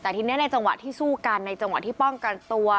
แต่ทีนี้ในจังหวะที่สู้กันในจังหวะที่ป้องกันตัว